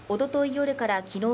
夜からきのう